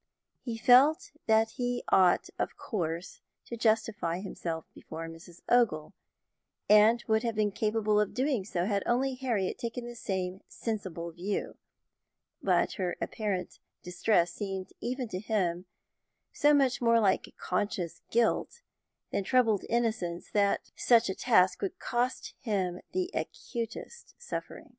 He felt that he ought of course to justify himself before Mrs. Ogle, and would have been capable of doing so had only Harriet taken the same sensible view; but her apparent distress seemed even to him so much more like conscious guilt than troubled innocence, that such a task would cost him the acutest suffering.